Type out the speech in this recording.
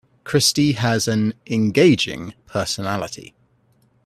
Christy has an engaging personality.